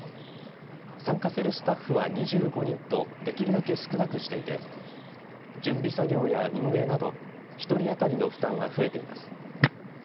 参加するスタッフは２５人とできるだけ少なくしていて準備作業や運営など１人当たりの負担は増えています。